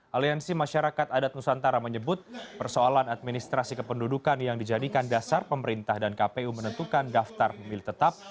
aliansi masyarakat adat nusantara menyebut persoalan administrasi kependudukan yang dijadikan dasar pemerintah dan kpu menentukan daftar pemilih tetap